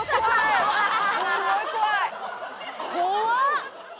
怖っ！